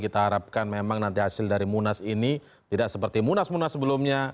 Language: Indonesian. kita harapkan memang nanti hasil dari munas ini tidak seperti munas munas sebelumnya